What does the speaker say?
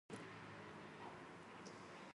هغه د عقلاني پوهې نښه ده.